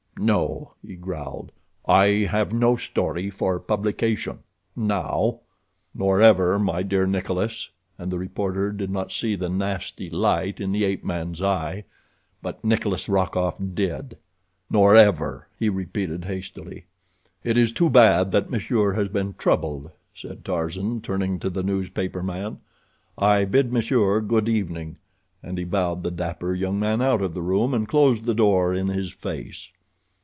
"No," he growled, "I have no story for publication—now." "Nor ever, my dear Nikolas," and the reporter did not see the nasty light in the ape man's eye; but Nikolas Rokoff did. "Nor ever," he repeated hastily. "It is too bad that monsieur has been troubled," said Tarzan, turning to the newspaper man. "I bid monsieur good evening," and he bowed the dapper young man out of the room, and closed the door in his face.